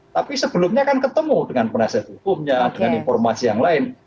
tapi sebelumnya kan ketemu dengan penasihat hukumnya dengan informasi yang lain